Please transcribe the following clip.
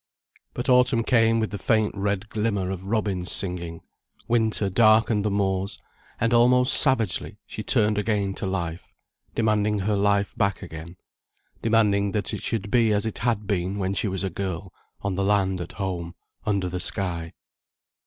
But autumn came with the faint red glimmer of robins singing, winter darkened the moors, and almost savagely she turned again to life, demanding her life back again, demanding that it should be as it had been when she was a girl, on the land at home, under the sky.